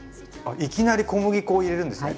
いきなり小麦粉を入れるんですね。